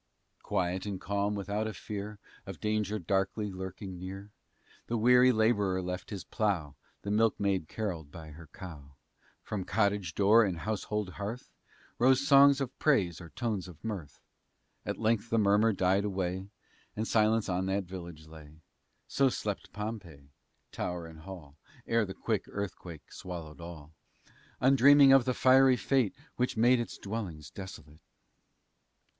Quiet and calm without a fear Of danger darkly lurking near, The weary laborer left his plough, The milkmaid carolled by her cow; From cottage door and household hearth Rose songs of praise, or tones of mirth. At length the murmur died away, And silence on that village lay. So slept Pompeii, tower and hall, Ere the quick earthquake swallowed all, Undreaming of the fiery fate Which made its dwellings desolate!